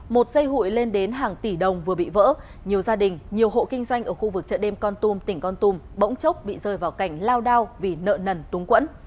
một dây hụi lên đến hàng tỷ đồng vừa bị vỡ nhiều gia đình nhiều hộ kinh doanh ở khu vực chợ đêm con tum tỉnh con tum bỗng chốc bị rơi vào cảnh lao đao vì nợ nần túng quẫn